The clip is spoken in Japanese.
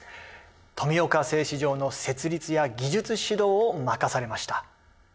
富岡製糸場の設立や技術指導を任されました。